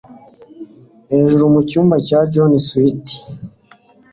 Hejuru mucyumba cya John, Sweetie.